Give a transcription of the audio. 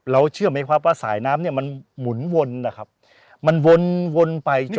เชื่อไหมครับว่าสายน้ำเนี่ยมันหมุนวนนะครับมันวนวนไปจน